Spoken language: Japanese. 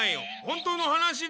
本当の話だ。